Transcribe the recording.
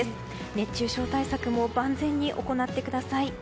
熱中症対策も万全に行ってください。